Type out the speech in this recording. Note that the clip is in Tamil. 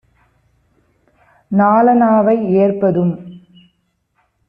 நாலணாவை ஏற்பதும்